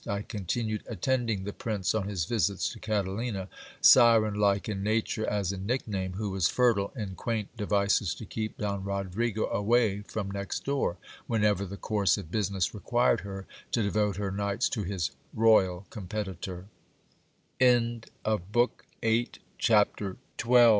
I continued attending the prince on his visits to Catalina, siren like in nature as in nickname, who was fertile in quaint devices to keep Don Rodrigo away from next door, whenever the course of business required her to devote her nights to his royal co